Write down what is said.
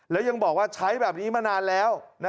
แล้วยังบอกว่าใช้แบบนี้มานานแล้ว